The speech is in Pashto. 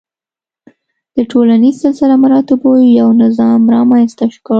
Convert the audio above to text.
د ټولنیز سلسله مراتبو یو نظام رامنځته کړ.